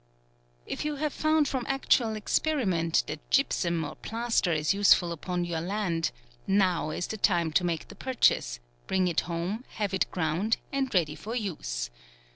If you have found from actual experiment, that gypsum or plaster is useful upon your land, now is the time to make the purchase, bring it home, have it ground and ready for use.